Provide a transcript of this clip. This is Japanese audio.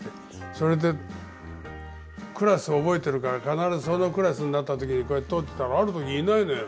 それでクラス覚えてるから必ずそのクラスになった時にこうやって撮ってたらある時いないのよ。